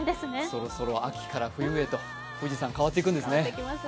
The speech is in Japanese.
そろそろ秋から冬へと富士山、変わっていくんですね。